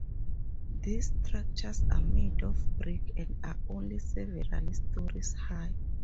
These structures are made of brick and are only several stories high.